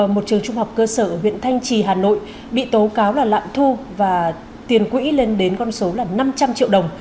một trường trung học cơ sở huyện thanh trì hà nội bị tố cáo là lạm thu và tiền quỹ lên đến con số là năm trăm linh triệu đồng